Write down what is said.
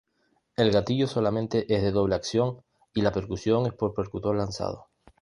El gatillo solamente es de doble acción y la percusión es por percutor lanzado.